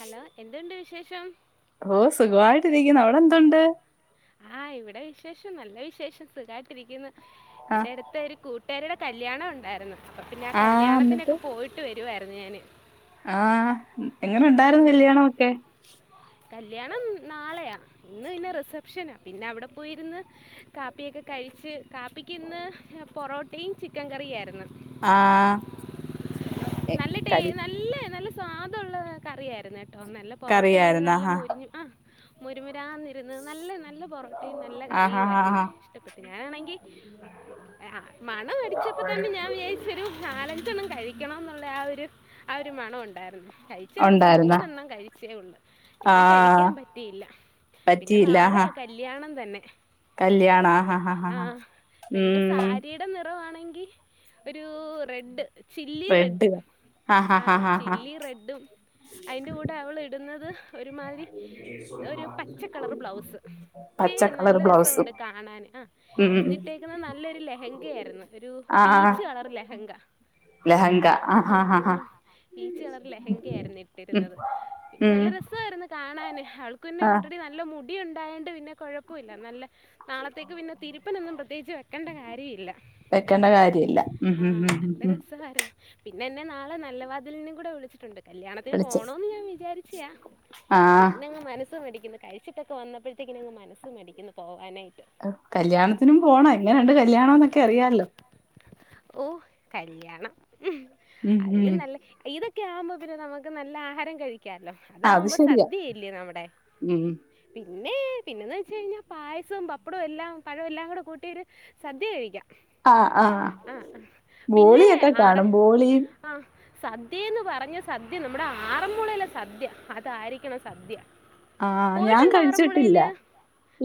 Hello. എന്തുണ്ട് വിശേഷം? ഓഹ് സുഖവായിട്ടിരിക്കുന്നു. അവ്ടെന്തുണ്ട്? ആഹ് ഇവിടെ വിശേഷം നല്ല വിശേഷം. സുഖായ്ട്ടിരിക്കുന്നു. ആ എന്റെ അട് ത്തൊര് കൂട്ടുകാരിയുടെ കല്യാണം ഉണ്ടായിരുന്നു. അപ്പൊ പിന്നെ ആ കല്യാണത്തിനൊക്കെ പോയിട്ട് വരുവായിരുന്നു ഞാന്. ആഹ്. എങ്ങനുണ്ടായിരുന്നു ഉം കല്യാണം ഒക്കെ? കല്യാണം നാളെയാ. ഇന്ന് പിന്നെ റിസപ്ഷനാ. പിന്നെവ്ടെ പോയി ര്ന്ന് കാപ്പിയൊക്കെ കഴിച്ച്. കാപ്പിക്കിന്ന് പൊറോട്ടയും, ചിക്കൻ കറിയായി ര്ന്ന്. ആഹ്. എ നല്ല ടേ കലി നല്ല നല്ല സ്വാദുള്ള കറിയായിരുന്നെട്ടൊ നല്ല കറിയായിരുന്നൊ. ഹാ ആഹ് മുരുമുരാന്നിരുന്ന് നല്ല നല്ല പൊറോട്ടയും നല്ല ആ ഹാ ഹാ കറിയുവായിരുന്നേ ഹാ ഇഷ്ടപ്പെട്ട് ഞാനാണെങ്കി ആഹ് മണം അടിച്ചപ്പോ തന്നെ ഞാൻ വിചാ രിച്ചൊരു നാലഞ്ചെണ്ണം കഴിക്കണം എന്നുള്ള ആഹ് ഒരു ആഹ് ഒരു മണം ഒണ്ടായിരുന്നു കഴിച്ചു വന്നപ്പം ഉണ്ടായിരുന്ന മൂന്നെണ്ണം കഴിച്ചേ ഒള്ള് ആ പിന്നെ കഴിക്കാം പറ്റിയില്ല പിന്നെ പറ്റിയില്ല ഹാ നാളെയാ കല്യാണം തന്നെ കല്യാണ ആ ഹാ ഹാ ഹാ ഹാ ആഹ് പെണ്ണിന്റെ ഉം സാരിയുടെ നിറവാണെങ്കി ഒരു റെഡ് ചില്ലി റെഡ് ആ ഹാ ഹാ ആഹ് ഹാ ഹാ ചില്ലി റെഡും അയിൻ്റെ കൂടെ അവളിടുന്നത് ഒരുമാതിരി ഒരു പച്ച കളറ് ബ്ലൗസ് പച്ച ചേരും കളർ നല്ല ബ്ലൗസും രസമുണ്ട് കാണാന് ആഹ് ഉം ഉം. ഇന്നിട്ടേക്കുന്നത് നല്ലൊരു ലഹങ്കയായിരുന്നു ഒരു പീച്ച് കളറ് ലഹങ്ക ലഹങ്ക ആഹ് പീച്ച് കളറ് ലെഹങ്കയായിരുന്നു ഉം ഇട്ടിരുന്നത് ഉം. നല്ല രസവായിരുന്നു കാണാന് ആൾക്കു പിന്നെ ആ ഓൾറെഡി നല്ല നല്ല മുടി ഉണ്ടായോണ്ട് പിന്നെ കൊഴപ്പവില്ല നല്ല നാളത്തേക്ക് പിന്നെ തിരുപ്പനൊന്നും പ്രത്യേകിച്ച് വെ ക്കെണ്ട കാര്യയില്ല വെക്കേണ്ട കാര്യമില്ല ഉം ഉം ആഹ് ഉം ഉം നല്ല ഉം. രസായിരുന്നു പിന്നെ എന്നെ നാളെ നല്ല വതിലിനും കൂടെ വിളിച്ചിട്ടുണ്ട് കല്യാണത്തിന് വിളിച്ച് പോണോന്ന് ഞാൻ വിചാരിച്ചെയാ ആ പിന്നങ്ങ് മനസ്സ് മടിക്കുന്നു കഴിച്ചിട്ടൊക്കെ വന്നപ്പോഴത്തേക്കും ഇങ്ങനെങ്ങ് മനസ്സ് മടിക്കുന്നു പോവാനായിട്ട് കല്യാണത്തിനും പോണം എങ്ങനുണ്ട് കല്യാണോന്നൊക്കെ അറിയാല്ലോ ഓഹ് കല്യാണം ഉം ഉം ഹ് ഉം അതിലും നല്ല ഇതൊ ക്കെ ആവുമ്പം പിന്നെ നമുക്ക് നല്ല ആഹാരം കഴിക്കാല്ലോ അത് അതാവുമ്പോ ശരിയാ സദ്യയല്ലേ നമ്മുടെ ഉം പിന്നെ പിന്നെന്ന് വെച്ച്കഴിഞ്ഞാ പായസവും പപ്പടവും എല്ലാം പഴവെല്ലാ കൂടെ കൂട്ടിയൊര് സദ്യ കഴിക്കാം ആഹ് ഹ് പിന്നെ ബോളിയൊക്കെ ആറ് കാണും ബോളിയും ആഹ് സദ്യേന്ന് പറഞ്ഞ് സദ്യ നമ്മുടെ ആറന്മുളേയിലെ സദ്യ അതായിരിക്കണം സദ്യ ആഹ് ഞാൻ പോയിട്ടുണ്ടോ കഴിച്ചിട്ടില്ല ആറന്മുളയില്?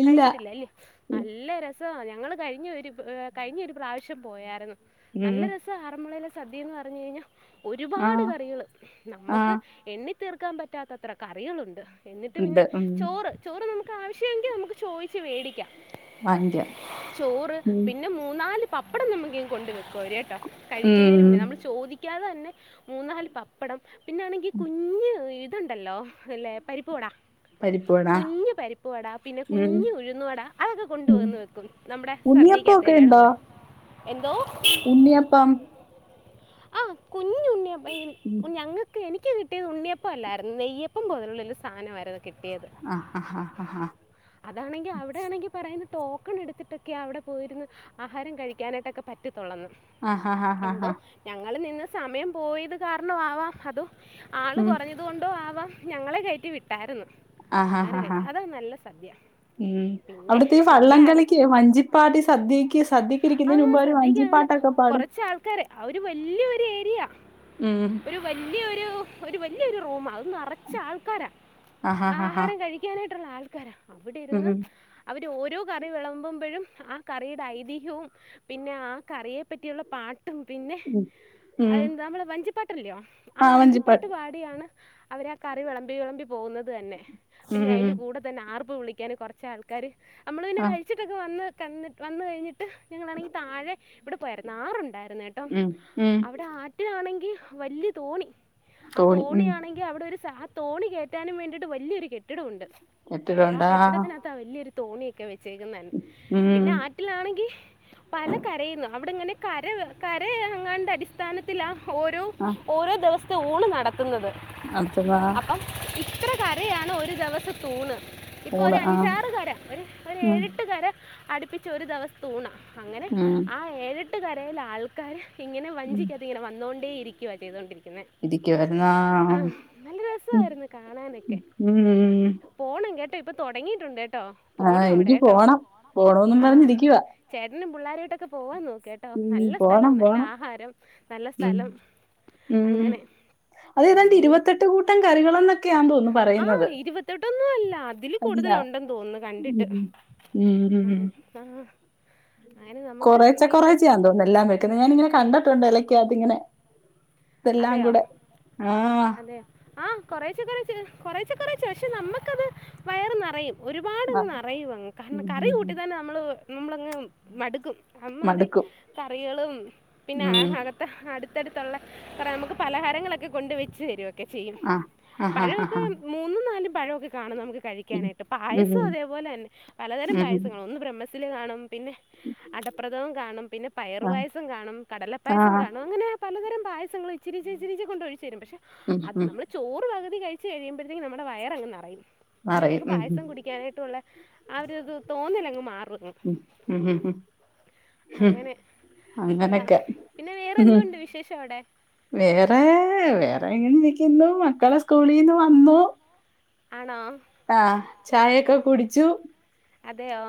ഇല്ല കഴിച്ചിട്ടില്ല അല്ലേ? നല്ല രസവാ ഞങ്ങള് കഴിഞ്ഞ ഒരു ഏഹ് കഴിഞ്ഞ ഒരു പ്രാവിശ്യം പോയായിരുന്നു ഉം നല്ല രസ സാ ആറന്മുളയിലെ സദ്യയെന്ന് പറഞ്ഞു കഴിഞ്ഞാ ഒരുപാട് ആഹ് കറികള് നമ്മക്ക് ആഹ് എണ്ണി തീർക്കാൻ പറ്റാത്തത്ര കറികളുണ്ട് എന്നിട്ട് പിന്നെ ഉണ്ട് ഉം ചോറ് ചോറ് നമു ക്ക് ആവിശ്യോങ്കി നമുക്ക് ചോയിച്ച് വേടിക്കാം വാങ്ങിക്കാം ചോറ് ഉം പിന്നെ മു മൂന്നാല് പപ്പടം നമുക്കിങ്ങ് കൊണ്ട് വെക്കും അവര് കേട്ടാ കഴിക്കുന്നേന് ഉം മുന്നേ നമ്മള് ചോദിക്കാതെ തന്നെ മൂന്നാല് പപ്പടം പിന്നൊണെങ്കി കുഞ്ഞ് ഈ ത് ഇത്ണ്ടല്ലോ അല്ലേ പരിപ്പ് വടാ പരിപ്പുവട കുഞ്ഞ് പരിപ്പുവട പിന്നെ ഉം കുഞ്ഞ് ഉഴുന്ന് വട അതൊക്കെ കൊണ്ടു ഉം വന്ന് വെക്കും നമ്മടെ സദ്യക്കാത്തെ ഉണ്ണിയപ്പൊക്കെ എലേടെ ഉണ്ടോ കൂടെ എന്തോ? ഉണ്ണിയപ്പം ആഹ് കുഞ്ഞു ഉണ്ണിയപ്പ ഉം ഇങ്ങനെ ഞങ്ങക്ക് എനിക്ക് കിട്ടിയത് ഉണ്ണിയപ്പം അല്ലായിരുന്നു നെയ്യപ്പം പോലുള്ളൊല് സാനാവായിരുന്നു കിട്ടിയത് ആഹ് ആഹ് ആഹ് അതാണെങ്കി അവിടേണെങ്കി പറയുന്നു ടോക്കൺ എടുത്തിട്ടൊക്കെ അവിടെ പോയിരുന്ന് ആഹാരം കഴിക്കാനായിട്ടൊക്ക പറ്റത്തൊള്ളന്ന് ആഹ് ആഹ് ആഹ് ആഹ് എന്തോ ആഹ് ഞങ്ങള് നിന്ന് സമയം പോയത് കാരണമാവാം അതോ ആള് ഉം കൊറഞ്ഞത് കൊണ്ടോ ആവാം ഞങ്ങളെ കയറ്റി വിട്ടായിരുന്നു ആഹ് ആഹ് ആഹാരം ആഹ് കഴിച്ച് അതാ നല്ല സദ്യ ഉം പിന്നെ അവിടത്തെ ഈ വലിയ വള്ളം ആഗ് കളിക്ക് വഞ്ചിപ്പാട്ടി സദ്യക്ക് സദ്യിക്കിരിക്കുന്നതിന് മുമ്പ് അവര് വഞ്ചിപ്പാ കൊറച്ച് ആൾക്കാര് അഹൊര് വല്ല്യ ഒരു ഏരിയാ ഊം ഹ് ഒരു വല്ല്യെരു ഒരു വല്ല്യ ഒരു റൂമാ അത് നറച്ച് ആൾക്കാരാ ആഹാഹാഹാ ആഹാരം കഴിക്കാനായിട്ടുള്ള ആൾക്കാരാ അവിടെ ഇരുന്ന് ഉം അവര് ഓരോ കറി വിളമ്പുമ്പോഴും ആ കറിയുടെ ഐതിഹ്യവും പിന്നെ ആ കറിയെ പറ്റിയുള്ള പാട്ട് ട്ടും പിന്നെ ഉം ഉം അതെന്താ നമ്മള് വഞ്ചിപ്പാട്ടല്ലോ ആ വഞ്ചിപ്പാട്ട് പാടി ടിയാണ് അവര് ആ കറി വെളമ്പി വെളമ്പി പോകുന്നത് തന്നെ ഉം പിന്നെ അയ്ന്റെ ഉം കൂടെ തന്നെ ആർപ്പ് വിളിക്കാന് കൊറച്ച് ആൾക്കാര് നമ്മളതന്നെ ആഹ് കഴി കഴിച്ചിട്ടൊക്കെ വന്ന് കന്നിട്ട് വന്നു കഴിഞ്ഞിട്ട് ഞങ്ങളാണെങ്കി താഴെ ഇവിടെ പോയായിരുന്നു ആറുണ്ടായിരുന്നു കേട് ട്ടോ ഉം ഉം അവിടെ ആറ്റിലാണെങ്കി വല്യ തോണി ആ തോണി ഉം തോണിയാണെങ്കി അവിടൊരു സാ ആ തോണി കയറ്റാനും വേണ്ടിയിട്ട് വല്ല്യൊരു കെട്ടിടൊണ്ട് ആ കെട്ടിടോണ്ടാ കെട്ടിടത്തിനകത്താ വല്യൊരു തോണിയൊക്കെ വെച്ചേക്കുന്നന്നെ ഉം പിന്നെ ആറ്റിലാണെങ്കി പല കരയുന്നു അവിടെ ഇങ്ങനെ കര കരയെങ്ങാണ്ട് അടിസ്ഥാനത്തിലാ ഓരോ ആഹ് ഓരോ ദിവസത്തെ ഊണ് നടത്തുന്നത് അതവാ അപ്പം ഇത്ര കരയാണ് ഒരു ദിവസത്തെ ഊണ് ഇപ്പോ ഒരു ഊണ് ആ അഞ്ചാറ് കര ഒരു ഒര് ഉം ഏഴെട്ട് കര അടുപ്പിച്ച് ഒരു ദെവസ ത്തൂണാ അങ്ങനെ ഉം ആ ഏഴെട്ട് കരേ ലാൾ ക്കാര് ഇങ്ങനെ ഉം വഞ്ചിക്കാത്ത് ഇങ്ങനെ വന്നുകോണ്ടേ ഇരിക്കുവാ ചെയ്തോണ്ടിരിക്കുന്നെ ഇരിക്കോര്ന്നാ [unintelligible] ആഹ് നല്ല രസായിരുന്നു കാണാനൊക്കെ ഉം പോണം കേട്ടോ ഇപ്പൊ തൊടങ്ങിയിട്ടുണ്ട് കേട്ടോ പോണം ആഹ് അവിടെ എനിക്ക് കേട്ടോ പോണം പോണന്നും ആ പറഞ്ഞിരിക്കുവാ ചേട്ടനും പിള്ളാരായിട്ടൊക്കെ പോവാൻ നോക്കേ ട്ടോ ഉം നല്ല സ്ഥലം പോണം നല്ല പോണം ആഹാരം നല്ല ഉം സ്ഥലം ഉം അങ്ങനെ അതേതാണ്ട് പിന്നെ ഇനി ഇരുവത്തെട്ട് കൂട്ടം കറികളൊന്നൊക്കെയാണ് തോന്നുന്ന് പറയുന്നത് ഇരുവത്തെട്ടൊന്നും അല്ല അതില് അല്ല കൂടുതലുണ്ടെന്ന് തോന്നുന്നു കണ്ടിട്ട് ഉം ഉം ആഹ കൊറേച്ചെ കൊറേച്ചാ തോന്നണ് എല്ലാം വെക്കുന്നത് ഞാനിങ്ങനെ കണ്ടിട്ടുണ്ട് ഇലക്കാത്തിങ്ങനെ ഇതെല്ലാം കൂടെ ആഹ് ആഹ് കൊറേച്ചെ കൊറേച്ചെ കൊറേച്ചെ കൊറേച്ചെ പക്ഷേ നമ്മക്കത് വയറ് നെറയും ഒരുപാടങ്ങ് ആഹ് നിറയങ്ങ് കാരണം ഉം കറി ഉം കൂട്ടി ഉം തന്നെ നമ്മള് നമ്മളങ്ങ് മടുക്കും അമ്മാതിരി മടുക്കും കറികളും പിന്നെ ഉം അക അടുത്തടുത്തുള്ളെ കൊറെ നമക്ക് പലഹാരങ്ങളൊക്കെ കൊണ്ട വച്ച് തരൊക്കെ ചെയ്യും ആഹ് ആഹ് ആഹ് പഴൊക്കെ ആഹ് ആഹ് മൂന്നും നാലും പഴമൊക്കെ കാണും നമുക്ക് ഉം കഴിക്കാനായിട്ട് ഉം പായസം ഉം അതേപോലെന്നെ പലതരം ഉം ഉം പായസങ്ങൾ ഒന്ന് ബ്രഹ സില് കാണും പിന്നെ അടപ്രഥമൻ കാണും പിന്നെ ആഹ് പയറുപായസം കാണും കടലപ്പായസം ആഹ് കാണും അങ്ങനെ പലതരം പായസങ്ങൾ ഇച്ചിരി ഇച്ചിരിച്ച് കൊണ്ട് ഒഴിച്ചെരും പക്ഷെ ഉം അത് ഉം നമ്മള് ചോറ് പകുതി കഴിച്ചെഴിയുമ്പോഴത്തേക്കും നമ്മുടെ വയറങ്ങ് നെറയും പിന്നെ അറിയും നമുക്ക് ഉം ഉം പായസം കുടിക്കാനായിട്ടുള്ള ആ ഒരിത് തോന്നല്ലങ്ങ് മാറും ഉം ഉം ഉം ഉം അങ്ങനെ അതാ അങ്ങനൊക്കെ പിന്നെ വേറെ ഉം ന്തോണ്ട വിശേഷം അവിടെ വേറെ വേറെ ഇങ്ങനെ ഇരിക്കുന്നു മക്കളെ സ്കൂളിന്ന് വന്നു ആണോ ആഹ് ചായൊക്കെ കുടിച്ചു അതെയോ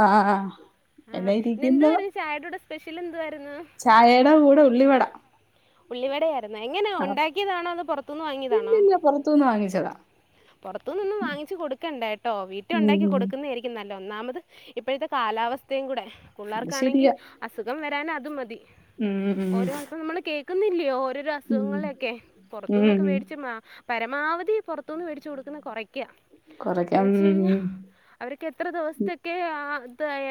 ആഹ് ആഹ് ആഹ് എന്നെ ഇരിക്കുന്നു ചായെടൂടെ സ്പെഷ്യൽ എന്തുവായിരുന്നു ചായേടെ കൂടെ ഉള്ളിവട ഉള്ളിവട ആയിരുന്നോ എങ്ങനാ ആ ഉണ്ടാക്കിയതാണോ അതോ പൊറത്തുന്ന് വാങ്ങിയതാണോ ഇല്ലില്ല പൊറത്തുന്ന് വാങ്ങിച്ചതാ പൊറത്തുന്നൊന്നും വാങ്ങിച് കൊടുക്കേണ്ടട്ടോ വീട്ടിൽ ഉണ്ടാക്കി ഉം കൊടുക്കുന്നെരി ക്യും നല്ലെ ഒന്നാമത് ഇപ്പഴത്തെ കാലാവസ്ഥയും കൂടെ അത് പിള്ളേർക്കാണെങ്കി ശരിയാ അസുഖം വരാൻ അത് മതി ഉം ഉം കേക്കുന്നില്ലോ ഓരോരോ അസുഖങ്ങളൊക്കെ ഉം പുറത്തുന്നൊക്കെ ഉം വേടിച്ച് മാ പരമാവധി പുറത്തുന്ന് മേടിച്ചു കൊടുക്കുന്നത് കുറയ്ക്കാ എന്ന കൊറയ്ക്കാൻ വെച്ച് കഴിഞ്ഞാ ഉം അവർക്കെത്ര ദിവസത്തൊക്കെ ആ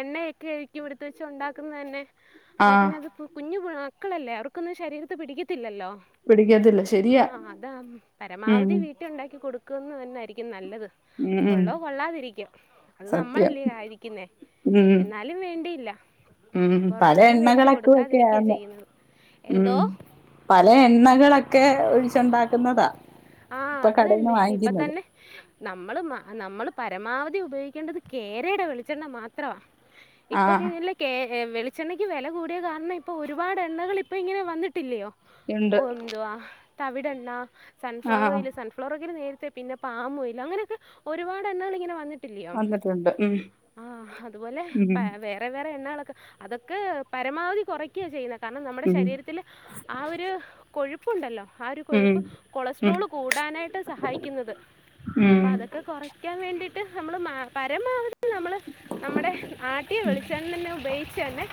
എണ്ണയൊക്കെ ആയിരിക്കുമോടുത് വെച്ച് ഉണ്ടാക്കുന്നന്നെ അപ്പൊ ആഹ് പിന്നെ അത് കുഞ്ഞു പിള്ള മക്കളല്ലേ അവർക്കൊന്നും ശരീരത്ത് പിടിക്കത്തില്ലല്ലോ പിടിക്കത്തില്ല ശരിയാ ആഹ് അതാ ഉം പരമാവധി വീട്ടിലുണ്ടാക്കി കൊടുക്കുന്നതന്നെയിരിക്കും നല്ലത് ഉം ഉം കൊള്ളോ കൊള്ളാതിരിക്കും അത് സത്യം നമ്മളല്ലേ ആയിരിക്കുന്നേ ഉം എന്നാ ലും വേണ്ടിയില്ല ഉം പല പുറത്തുന്ന് വേടിച്ചു എണ്ണകളൊക്കെ കൊടുക്കാതിരിക്കാ ആന്ന് ചെയ്യുന്നത് ഉം എന്തോ പല എണ്ണകളൊക്കെ ഒഴിച്ചുണ്ടാക്കുന്നതാ ആഹ് ഇപ്പൊ അത് കടേന്ന് തന്നെ വാങ്ങിക്കുന്നത് ഇപ്പത്തന്നെ നമ്മള് നമ്മൾ പരമാവധി ഉപയോഗിക്കേണ്ടത് കേരയുടെ വെളിച്ചെണ്ണ മാത്രവാ ആഹ് ഇപ്പൊക്കല്ലേ കെ വെളിച്ചെണ്ണയ്ക്ക് വെല കൂടിയ കാരണം ഇപ്പോ ഒരുപാട് എണ്ണകൾ ഇപ്പ ഇങ്ങനെ വന്നിട്ടില്ലയോ ഇണ്ട് ഒന്തുവാ തവിടെണ്ണ സൺഫ്ലവർ ആഹ് ഓയില് സൺഫ് ഫ്ലവർ നേരത്തെ പിന്നെ പാമോയിൽ അങ്ങനൊക്കെ ഒരുപാട് എണ്ണകൾ ഇങ്ങെനെ വന്നി ട്ടില്ല്യോ വന്നിട്ടുണ്ട് ഉം ആഹ് അതുപോലെേ ഉം പ വെ വെവ്വേറെ എണ്ണകളൊക്കെ അതൊക്കെ പരമാവധി കുറ ക്ക്യ ചെയ്യുന്നെ കാരണം നമ്മുടെ ഉം ശരീരത്തില് ആ ഒരു കൊഴുപ്പുണ്ടല്ലോ ആ ഒരു ഉം കൊഴുപ്പ് ഉം കൊളസ്‌ട്രോള് കൂടാനായിട്ട് സഹായിക്കുന്നത് ഉം പ്പൊ അതൊക്കെ കുറയ്ക്കാൻ വേണ്ടിട്ട് നമ്മള് മേ പരമാവധി നമ്മൾള് നമ്മടെ ആട്ടിയ വെളിച്ചണ്ണന്നെ ഉപയോഗിച്ചന്നെ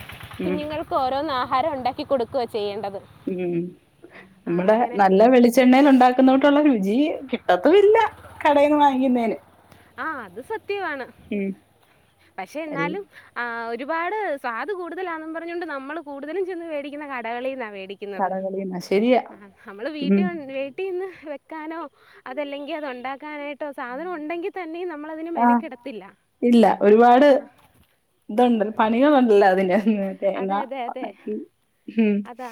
ഉം കുഞ്ഞുങ്ങൾ ക്കോരോന്ന് ആഹാരം ഉണ്ടാക്കി കൊടുക്കു ആ ചെയ്യേണ്ടത് ഉം ആ നമ്മടെ അങ്ങനെ നല്ല വെളിച് ചെണ്ണയിൽ ഉണ്ടാക്കുന്നതോട്ടുള്ള രുചി കിട്ടത്തുല്ല കടയിന്ന് വാങ്ങിക്കുന്നതിന്. ആഹ് അത് സത്യമാണ് പക്ഷെ എല്ല എന്നാലും ആഹ് ഒരുപാട് സ്വാദ് കൂടുതലാണെന്നും പറഞ്ഞോണ്ട് നമ്മൾ കൂടുതലും ചെന്ന് മേടിക്കുന്ന കടകളിന്നാ മേടി ക്യുന്നത് കടകളിന്ന് ശരിയാ നമ്മൾ ഉം വീട്ടിവന്ന് ട്ടിന്ന് വെക്കാനോ അതല്ലെങ്കിൽ അത് ഉണ്ടാക്കാനായിട്ടോ സാധനം ഉണ്ടെങ്കി തന്നെ നമ്മളതിന് ആഹ് മെനക്കിടത്തില്ല. ആഹ് ഇതെന്ത് പണികളുണ്ടല്ലോ അതിന് തേങ്ങ അതെ അതെ അതെ ഉണക്കി. ഉം അതാ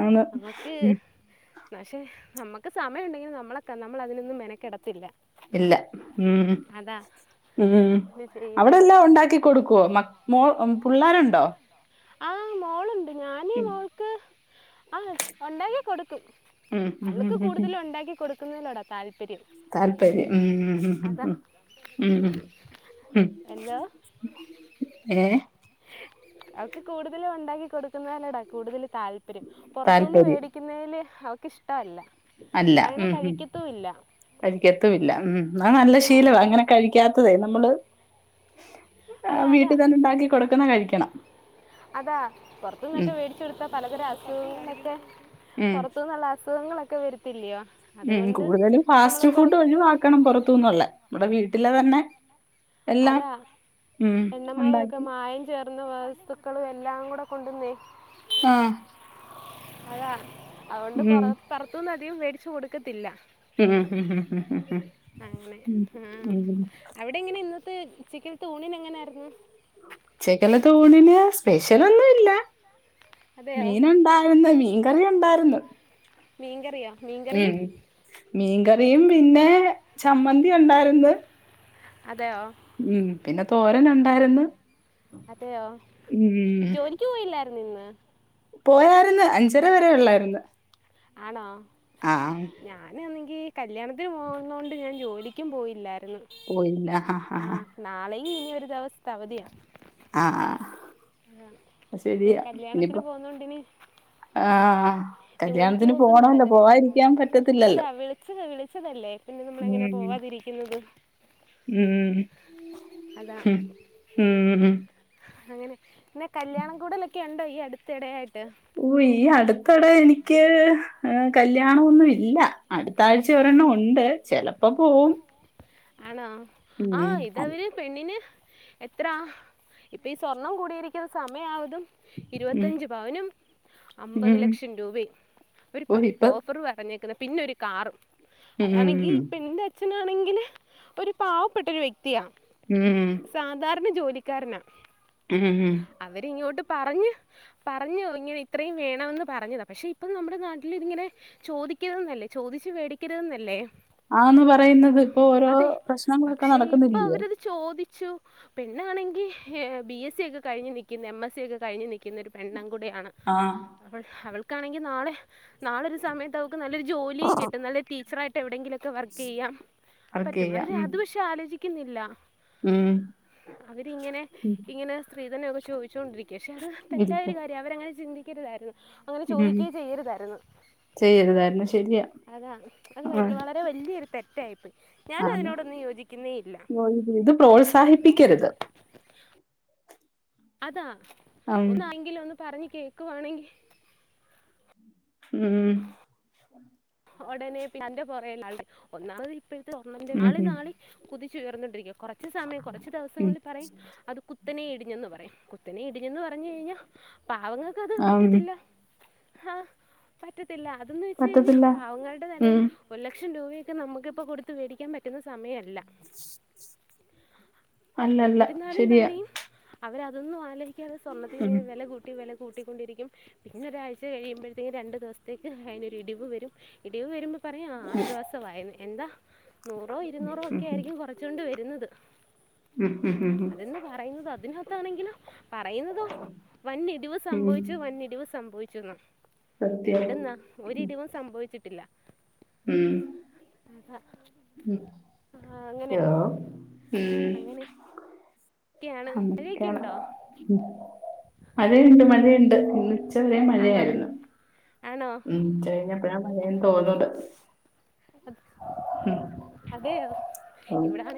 ആന്ന്. ഉം ന്നാ ക്ഷെ നമുക്ക് സമയുണ്ടെങ്കിൽ നമ്മളക്കെ നമ്മള അതിനൊന്നും മെനക്കിടത്തില്ല ഇല്ല ഉം ഉം ഉം ഇത് ചെയ്യുന്നത് അവിടെല്ലാം ഉണ്ടാക്കി. കൊടുക്കോ മക് മോ പിള്ളേരുണ്ടോ. ആഹ് മോളുണ്ട് ഞാൻ ഉം ക്ക്‌ ആഹ് ഉണ്ടാക്കി കൊടുക്കും ഉം ഉം ഉം അവൾക്ക് ഉം കൂടുതലുണ്ടാക്കിടു തിന്നുല്ലെടാ താല്പര്യം താൽപര്യം ഉം ഉം അതാ ഉം ഉം ഉം ഉം എന്തോ ഏഹ് അവക്ക് കൂടുതല് ഉണ്ടാക്കി കൊടുക്കുന്നതന്നടാ കൂടുതൽ താല്പര്യം പുറത്തുന്ന് താല്പര്യം വേടി ക്കുന്നതിൽ അവക്ക്ഷ്ടല്ല അല്ല ഉം ഉം അടിക്കത്തുല്ല ഉം എന്നാ നല്ല അതാ ശീലവാ ഇങ്ങനെ കഴിക്കാത്തതെ നമ്മള് അതാ അതാ വീട്ടിൽ തന്നെ ഉണ്ടാക്കി കൊടുക്കുന്ന കഴിക്കണം. അതാ പുറത്തു ഉം നിന്നൊക്കെ മേടി ച്ചൊടുത്ത പലതരം അസുഖങ്ങളൊക്കെ ഉം പുറത്തു നിന്നുള്ള അസുഖങ്ങളൊക്കെ വരത്തില്ലയോ ഉം അതുകൊണ്ട് കൂടുതലും നമ്മൾ ഫാസ്റ്റ് ഫുഡ് പുറത്ത് ഒഴിവാക്കണം പൊറത്തുന്നള്ള ഇവടെ വീട്ടിലെ തന്നെ എല്ലാം അതാ ഉം എണ്ണമയമൊക്കെ ഉണ്ടാക്കി മായം ചേർന്ന വസ്തുക്കളും എല്ലാം കൂടെ കൊണ്ടുവന്നേ ആഹ് അതാ അതൊണ്ട് ഉം പുറ പുറത്തുനിന്ന് അധികം മേടിച്ചു കൊടുക്കത്തില്ല ഉം ഉം ഉം ഉം ഉം അങ്ങനെ ആഹ് ഉം ഉം അവിടെ എങ്ങനെ ഇന്നത്തെ ച്ചക്കത്തൂണിനു എങ്ങനായിരുന്നു ച്ചക്കനെത്തൂണിന് സ്പെഷ്യലൊന്നും ഇല്ല അതെയോ മീൻ ഉണ്ടായിരുന്ന് മീൻകറി ഉണ്ടായിരുന്നു മീൻകറിയാ ഉം മീൻകറിയും മീൻകറിയും പിന്നെ ചമ്മന്തി ഉണ്ടായിരുന്ന് അതെയോ ഉം പിന്നെ തോരൻ ഉണ്ടായിരുന്ന് അതെയോ ജോലിക്ക് പോയില്ലായിരുന്നു ഇന്ന് പോയായിരുന്നു അഞ്ചര വരെ ഉള്ളായിരുന്നു ആണോ ആഹ് ഞാനന്നെങ്കിൽ കല്യാണത്തിന് പോകുന്നതു കൊണ്ട് ഞാൻ ജോലിക്കും പോയില്ലായിരുന്നു പോയില്ല ഹാ ഹാ ആ ഹാഹ് നാളെയും ഇനി ഒരു ദിവസത്തെ അവധിയാ ആഹ് അഹ് ഈ ശരിയാ ഇനിയിപ്പോ. [unintelligible] ആഹ് ജോലിക്ക് കല്യാണത്തിന് പോക്കും പോണല്ലോ നടക്ക പോവാതിരിക്കാൻ അതാ പറ്റത്തില്ലല്ലോ വിളിച്ചത് വിളിച്ചതല്ലേ പിന്നെ നമ്മളെങ്ങനെ ഉം പോകാതിരിക്കുന്നത് ഉം അതാ ഉം അങ്ങനെ പിന്നെ കല്യാണം കൂടലൊക്കെ ഉണ്ടോ ഈ അടുത്തിടെയായിട്ട് ഓഹ് ഈ അടുത്തിടെ എനിക്ക് ഏഹ് കല്യാണൊന്നുല്ല അടുത്ത ആഴ്ച ഒരെണ്ണം ഉണ്ട് ചിലപ്പോ പോവും ആണോ ഉം ആഹ് ഇത് അത്, അവര് പെണ്ണിന് എത്ര ഇപ്പ ഈ സ്വർണം കൂടിയിരിക്കുന്ന സമയവതും ഉം ഇരുപത്തഞ്ച് പവനും അമ്പത് ഉം ലക്ഷം രൂപയും ഒരു ഓ ഇപ്പൊ ഓഫർ പറഞ്ഞേക്കുന്ന പിന്നെ ഒരു കാറും ഉം അതാണെങ്കിൽ പെണ്ണിൻ്റെ അച്ഛനാണെങ്കിൽ ഒരു പാവപ്പെട്ടൊരു വ്യക്തിയാണ് ഉം സാധാരണ ജോലിക്കാരനാ ഉം ഉം അവരിങ്ങോട്ട് പറഞ്ഞ് പറഞ്ഞു ഇങ്ങനെ ഇത്രയും വേണന്ന് പറഞ്ഞതാ പക്ഷെ ഇപ്പം നമ്മുടെ നാട്ടിൽ ഇതിങ്ങനെ ചോദിക്കര്ത്ന്നല്ലേ ചോദിച്ചു മേടിക്കരുതന്നല്ലേ ആന്ന് പറയുന്നത് ഇപ്പൊ ഓരോ അതെ പ്രശ്നങ്ങളൊക്കെ പക്ഷെ ഇപ്പൊ നടക്കുന്നില്ലയോ അവരത് ചോദിച്ചു പിന്നാണെങ്കിൽ ബി എസ് സി ഒക്കെ കഴിഞ്ഞ് നിൽക്കുന്ന എം എസ് സി ഒക്കെ കഴിഞ് നിൽക്കുന്നൊ പെണ്ണൻ കൂടെയാണ് ആഹ് അവൾ അവൾക്കാണെങ്കി നാളെ നാളെ ഒരു സമയത്ത് അവക്ക് നല്ലൊരു ജോലിയും കിട്ടും നല്ലൊരു ടീച്ചറായിട്ട് ട്ടെ എവിടെയെങ്കിലുംഒക്കെ വർക്ക് ചെയ്യൻ വർക്ക് പറ്റും ചെയ്യാം അവര് ഉം അത് പക്ഷെ ആലോചിക്കുന്നില്ല ഉം അവരിങ്ങനെ ഉം. ഇങ്ങനെ സ്ത്രീധനം ഒക്കെ ചോദിച്ചൊണ്ടിരിക്ക പക്ഷെ അത് തെറ്റായൊരു ഇരിക്ക കാര്യ ര്യ അവരഅങ്ങനെ ചിന്തിക്കരുതായിരുന്നു അങ്ങനെ ഉം ചോദിക്കെ ചെയ്യരുതായിരുന്നു ചെയ്യരുതായിരുന്നു ശരിയാ അതാ അത് ആ വല്യ വളരേ ളരെ വല്യോരു തെറ്റായിപ്പോയി. ഞാന അതിനോടൊന്നും യോജിക്കുന്നേയില്ല ഇ ഇത് പ്രോത്സാഹിപ്പിക്കരുത് [inaudible] അതാ ഉം ഒന്നാങ്കിലും ഒന്ന് പറഞ്ഞ് കേൾക്കുവാണെങ്കിൽ ഉം ഉടനെ അതിന്റെ പുറകേ ഒന്നാമത് ഇപ്പോഴത്തെ ഓണ്ണമെറ് ഉം നാള ഉം നാളെ കുതിച്ചുയർന്നൊണ്ടിരിക്കും കുറച് സമയം കുറച്ച് ഉം ദിവസങ്ങളിൽ പറയും അത് കുത്ത് കുത്തനെ ഇടിഞ്ഞെന്ന് പറയും. കുത്തനെ ഇടിഞ്ഞെന്ന് പറഞ്ഞു കഴിഞ്ഞാൽ പാവങ്ങൾക്ക് അത് ആം പറ്റത്തില്ല ആഹ് പറ്റത്തില്ല അതെന്ന് വെച്ച് കഴിഞ്ഞാൽ പറ്റത്തില്ല പാവങ്ങളുടെ നിലയിൽ ഉം ഒരു ലക്ഷം രൂപയൊക്കെ നമുക്ക് ഇപ്പൊ കൊടുത് മേടിക്കാൻ പറ്റുന്ന സമയമല്ല [inaudible] അല്ലല്ല എന്നിരുന്നാലും ശരിയാ തന്നെയും അവരതൊന്നും ആലോചിക്കാതെ സ്വർണ്ണത്തിൽ ഉം ഇങ്ങനെ വില കൂട്ടി വില കൂട്ടി ട്ടിണ്ടിരിക്ക പിന്നെ ഒരാഴ്ച കഴിയുമ്പോഴത്തേക്കും രണ്ടു ദിവസത്തേക്ക് അതിനൊ ഒരു രണ്ട്ദിവസത്തേക്ക് ഒരിടിവ് വരും ഇടിവ് വരുമ്പോ പറയും ആശ്വാസമായന്ന്. എന്താ നൂറോ ഇരുന്നൂറോ ഉം ഒക്കെ ഉം ആയിരിക്കും കുറച്ചൊണ്ട് വരുന്നത് ഉം ഉം ഉം അതെന്ന് പറയുന്നത് അതിനകത്താണെങ്കിലും പറയുന്നതോ വൻഇടിവ് ഉം ഉം സംഭവിച്ചു വൻഇടിവ് സംഭവിചുന്ന സത്യം എവിടന്ന ഒരിടിവും സംഭവിച്ചിട്ടില്ല ഉം ആഹ് മം അങ്ങനെ അങ്ങനെയൊക്കെയാണ് മഴയൊക്കെ അതൊക്കെയാണ് ഉണ്ടോ മഴയുണ്ട് മഴയുണ്ട് ഇന്ന് ഉച്ചവരെ ആണോ മഴയായിരുന്നു. ആണോ ഉച്ച കഴിഞ്ഞ [unintelligible] തോന്നുന്നുണ്ട് അതെയോ ഉം ഇവിടാണ